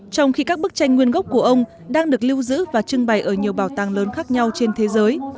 trong khi các bức tranh nguyên gốc của ông đang được lưu giữ và trưng bày ở nhiều bảo tàng lớn khác nhau trên thế giới